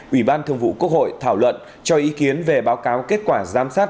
ủy ban thường vụ quốc hội thảo luận cho ý kiến về báo cáo kết quả giám sát